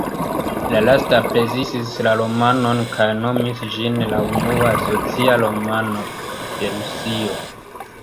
La lasta aprezis la romanon kaj nomis ĝin la unua "socia romano" de Rusio.